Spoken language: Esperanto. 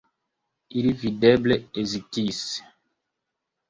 Ili videble hezitis.